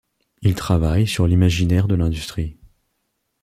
Il travaille sur l'imaginaire de l'industrie.